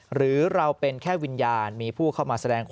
หรือเราเป็นแค่วิญญาณมีผู้เข้ามาแสดงความ